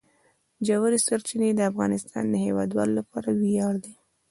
ژورې سرچینې د افغانستان د هیوادوالو لپاره ویاړ دی.